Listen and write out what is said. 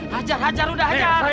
hajar hajar udah hajar